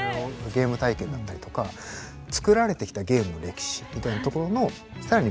ゲーム体験だったりとかつくられてきたゲームの歴史みたいなところの更に向こう側。